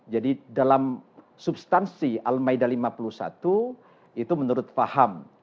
jadi dalam substansi al maida lima puluh satu itu menurut faham